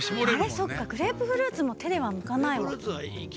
そっかグレープフルーツも手ではむかないもんね。